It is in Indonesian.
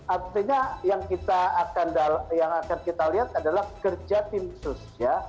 artinya yang akan kita lihat adalah kerja tim sus